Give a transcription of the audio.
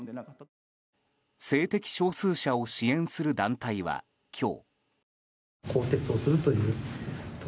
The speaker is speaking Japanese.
性的少数者を支援する団体は今日。